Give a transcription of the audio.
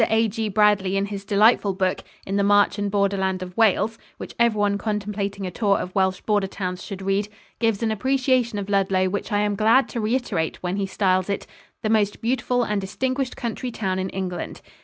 A.G. Bradley, in his delightful book, "In the March and Borderland of Wales," which everyone contemplating a tour of Welsh border towns should read, gives an appreciation of Ludlow which I am glad to reiterate when he styles it "the most beautiful and distinguished country town in England."